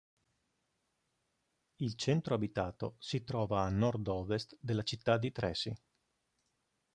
Il centro abitato si trova a nord-ovest della città di Tracy.